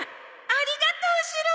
ありがとうシロ！